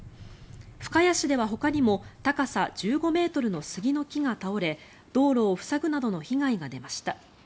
深谷市ではほかにも高さ１５ｍの杉の木が倒れ道路を塞ぐなどの被害が出ました。